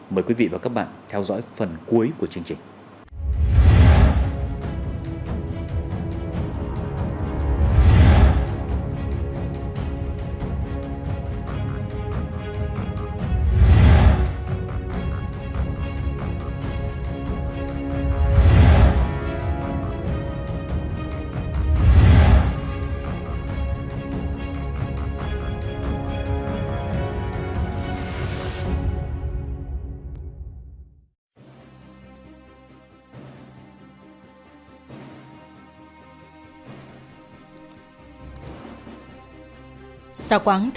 mời quý vị và các bạn theo dõi phần cuối của chương trình